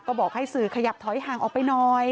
ก็บอกให้สื่อขยับถอยห่างออกไปหน่อย